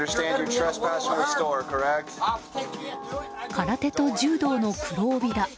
空手と柔道の黒帯だ。